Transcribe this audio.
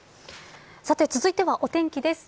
続いては、お天気です。